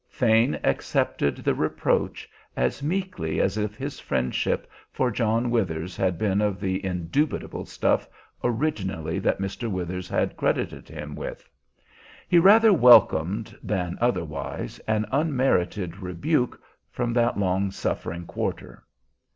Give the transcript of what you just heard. Thane accepted the reproach as meekly as if his friendship for John Withers had been of the indubitable stuff originally that Mr. Withers had credited him with. He rather welcomed than otherwise an unmerited rebuke from that long suffering quarter.